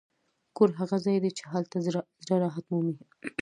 کور هغه ځای دی چې هلته زړه راحت مومي.